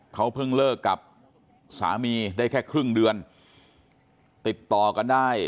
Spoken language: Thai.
เขาเพิ่งเลิกกับสามีได้แค่ครึ่งเดือนติดต่อกันได้